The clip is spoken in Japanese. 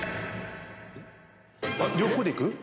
両方でいく？